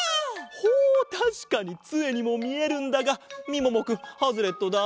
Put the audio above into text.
ほうたしかにつえにもみえるんだがみももくんハズレットだ。